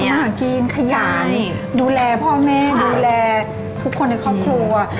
มาหากินขยายดูแลพ่อแม่ดูแลทุกคนในครอบครัว